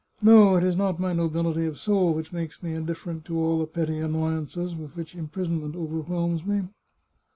No, it is not my nobility of soul which makes me indifferent to all the petty annoyances with which imprisonment overwhelms me."